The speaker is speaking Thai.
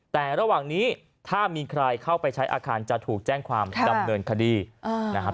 แต่ระหว่างนี้ถ้ามีใครเข้าไปใช้อาคารจะถูกแจ้งความดำเนินคดีนะครับ